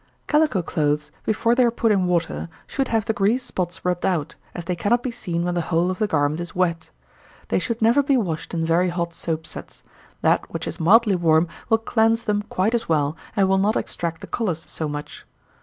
_ Calico clothes, before they are put in water, should have the grease spots rubbed out, as they cannot be seen when the whole of the garment is wet. They should never be washed in very hot soap suds; that which is mildly warm will cleanse them quite as well, and will not extract the colors so much.